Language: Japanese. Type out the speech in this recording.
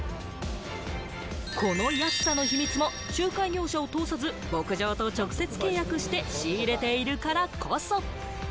この安さの秘密も仲介業者を通さず、牧場と直接契約して仕入れているからこそ。